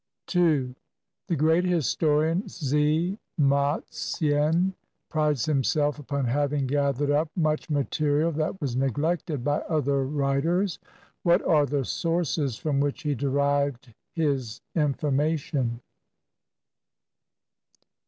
2. The great historian Sze ma ts'ien prides himself upon having gathered up much material that was neg lected by other writers. What are the sources from which he derived his information?